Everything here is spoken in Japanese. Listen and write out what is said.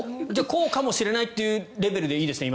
こうかもしれないというレベルでいいですね？